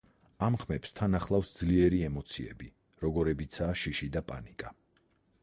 ამ ხმებს თან ახლავს ძლიერი ემოციები, როგორებიცაა შიში და პანიკა.